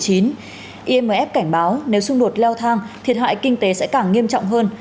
imf cảnh báo nếu xung đột leo thang thiệt hại kinh tế sẽ càng nghiêm trọng hơn